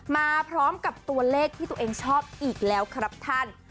มาพร้อมกับตัวเลขที่ตัวเองชอบอีกแล้วครับท่าน